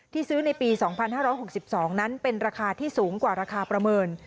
ที่ซื้อในปี๒๕๖๒นั้นเป็นราคาที่สูงกว่าราคาประเมิน